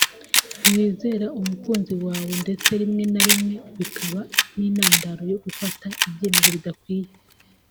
ntiwizera umukunzi wawe ndetse rimwe na rimwe bikaba n’intandaro yo gufata ibyemezo bidakwiye